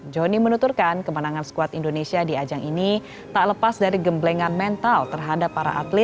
jonny menuturkan kemenangan skuad indonesia di ajang ini tak lepas dari gemblengan menteri